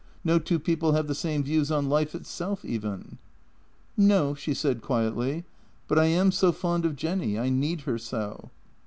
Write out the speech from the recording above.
No two people have the same views on life itself even." " No," she said quietly. " But I am so fond of Jenny. I need her so."